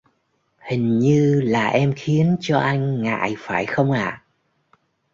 Hình như là em khiến cho anh ngại phải không ạ